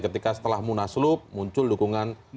ketika setelah munaslup muncul dukungan